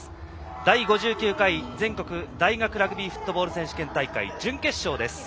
第５９回、全国大学ラグビーフットボール選手権大会準決勝です。